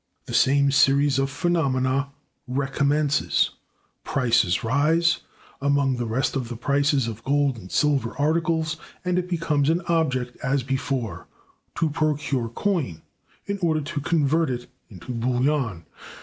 The same series of phenomena recommences: prices rise, among the rest the prices of gold and silver articles, and it becomes an object, as before, to procure coin, in order to convert it into bullion.